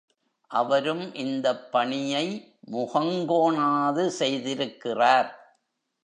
அவரும் இந்தப் பணியை முகங்கோணாது செய்திருக்கிறார்.